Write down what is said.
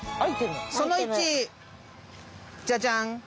その１ジャジャン。